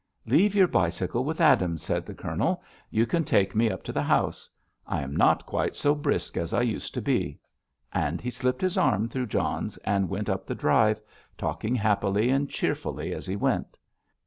"Leave your bicycle with Adams," said the Colonel; "you can take me up to the house. I am not quite so brisk as I used to be." And he slipped his arm through John's and went up the drive, talking happily and cheerfully as he went.